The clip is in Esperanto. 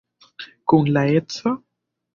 Kun la edzo?